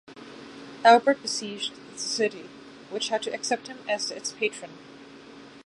Albert besieged the city, which had to accept him as its patron.